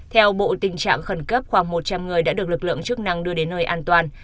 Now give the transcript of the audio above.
theo bộ tình trạng khẩn cấp khoảng một trăm linh người đã được lực lượng chức năng đưa đến nơi an toàn